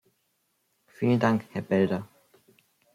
Vielen Dank, Herr Belder.